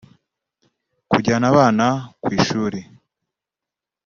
kujyana abana ku ishuri